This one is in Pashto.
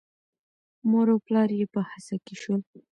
مور او پلار یې په هڅه کې شول.